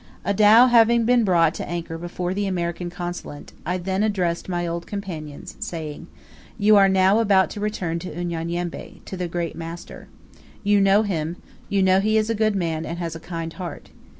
A dhow having been brought to anchor before the American Consulate, I then addressed my old companions, saying, "You are now about to return to Unyanyembe, to the 'Great Master'. You know him; you know he is a good man, and has a kind heart.